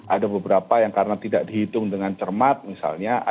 ada beberapa yang karena tidak dihitung dengan cermat misalnya